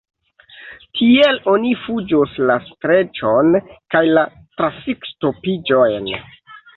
Tiel oni fuĝos la streĉon kaj la trafikŝtopiĝojn!